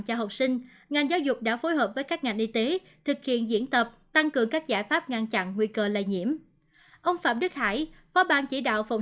học sinh trên địa bàn tp hcm vẫn ghi nhận